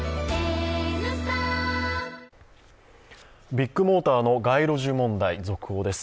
ビッグモーターの街路樹問題、続報です。